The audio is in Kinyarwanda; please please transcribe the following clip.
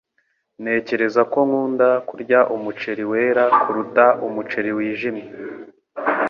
Ntekereza ko nkunda kurya umuceri wera kuruta umuceri wijimye.